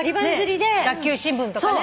学級新聞とかね。